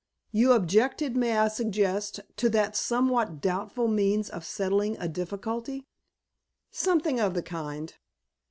"You objected, may I suggest, to that somewhat doubtful means of settling a difficulty?" "Something of the kind."